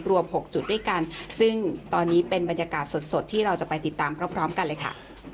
หกจุดด้วยกันซึ่งตอนนี้เป็นบรรยากาศสดที่เราจะไปติดตามพร้อมกันเลยค่ะ